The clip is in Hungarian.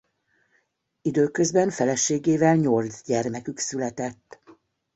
Időközben feleségével nyolc gyermekük született.